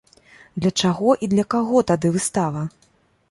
Для чаго і для каго тады выстава?